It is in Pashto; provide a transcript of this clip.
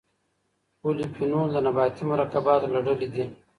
پولیفینول د نباتي مرکباتو له ډلې دي.